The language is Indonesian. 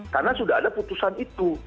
karena sudah ada putusan itu